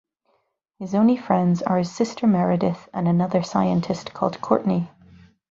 His only friends are his sister Meridith and another scientist called Courtney.